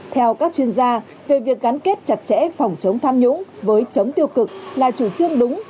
theo các chuyên gia về việc gắn kết chặt chẽ phòng chống tham nhũng với chống tiêu cực là chủ trương đúng